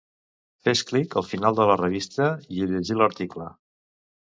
Fes clic al final de la revista i a llegir l'article.